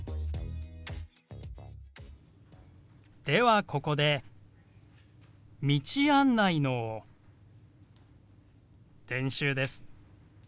ではここで道案内の練習です。